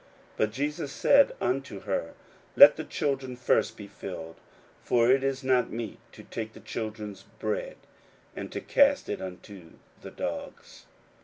41:007:027 But Jesus said unto her, Let the children first be filled: for it is not meet to take the children's bread, and to cast it unto the dogs.